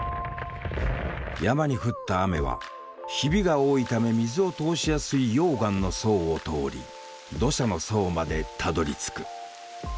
山に降った雨はひびが多いため水を通しやすい溶岩の層を通り土砂の層までたどりつく。